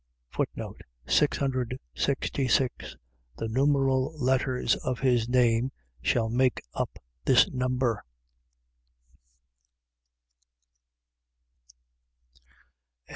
Six hundred sixty six. . .The numeral letters of his name shall make up this number.